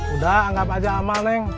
udah anggap aja amal neng